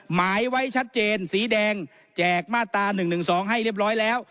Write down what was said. หมายไว้ชัดเจนสีแดงแจกมาตรา๑๑๒ให้เรียบร้อยแล้ว